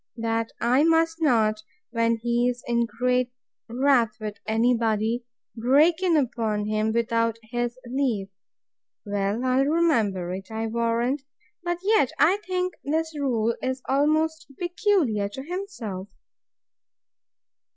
That I must not, when he is in great wrath with any body, break in upon him without his leave. Well, I'll remember it, I warrant. But yet I think this rule is almost peculiar to himself.